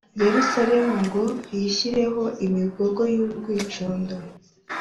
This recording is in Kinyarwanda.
Yerusalemu ngo yishyireho imigogo y urwicundo